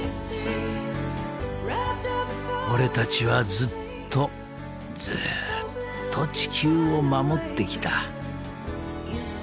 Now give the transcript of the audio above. ［俺たちはずっとずっと地球を守ってきた］